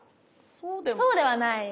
そうではない。